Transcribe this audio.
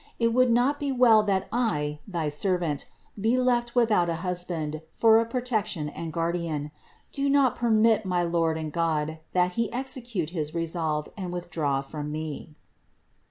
It would not be well that I, thy servant, be left without a husband for a protection and guardian. Do not per mit, my Lord and God, that he execute his resolve and withdraw from me."